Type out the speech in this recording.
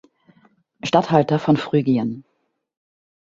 Statthalter von Phrygien.